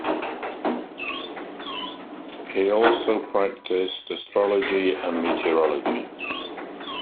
He also practiced astrology and meteorology.